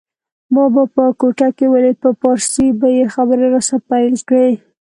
ما به په کوټه کي ولید په پارسي به یې خبري راسره پیل کړې